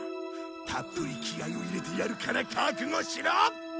たっぷり気合を入れてやるから覚悟しろ！